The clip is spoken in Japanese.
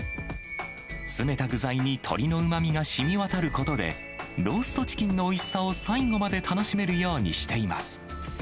詰めた具材に鶏のうまみが染み渡ることで、ローストチキンのおいしさを最後まで楽しめるようにしています。